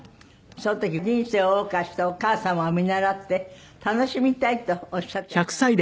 その時人生を謳歌したお母様を見習って楽しみたいとおっしゃっていらっしゃいました。